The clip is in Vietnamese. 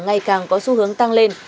ngày càng có xu hướng tăng lên